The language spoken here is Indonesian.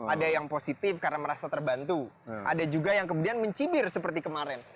ada yang positif karena merasa terbantu ada juga yang kemudian mencibir seperti kemarin